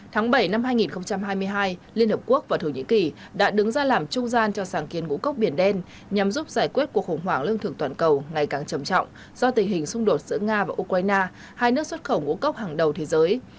tháng bảy năm hai nghìn hai mươi hai liên hợp quốc và thổ nhĩ kỳ đã đứng ra làm trung gian cho sáng kiến ngũ cốc biển đen nhằm giúp giải quyết cuộc khủng hoảng lương thực toàn cầu ngày càng trầm trọng do tình hình xung đột giữa nga và ukraine hai nước xuất khẩu ngũ cốc hàng đầu thế giới